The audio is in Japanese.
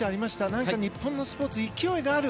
何か、日本のスポーツ勢いがある。